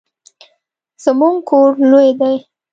زمونږ کور لوی دی